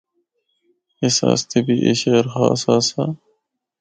اس آسطے بھی اے شہر خاص آسا۔